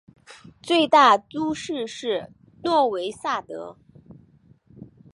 最大都市是诺维萨德。